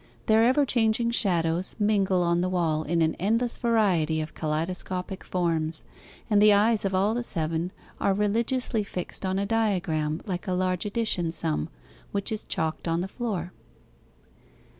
Their ever changing shadows mingle on the wall in an endless variety of kaleidoscopic forms, and the eyes of all the seven are religiously fixed on a diagram like a large addition sum, which is chalked on the floor.